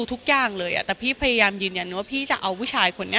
สงสัยว่าเราเล้วต้องดูพี่หมา